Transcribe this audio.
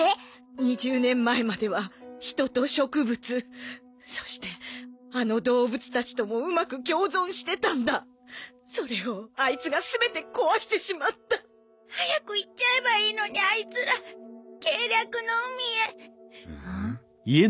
２０年前までは人と植物そしてあの動物たちともうまく共存してたんだそれをアイツが全て壊してしまった早く行っちゃえばいいのにアイツら計略の海へん？